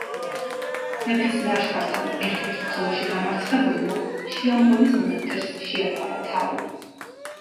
მეფის ლაშქართან ერთ-ერთ ბრძოლაში დამარცხებულმა შიომღვიმის მონასტერს შეაფარა თავი.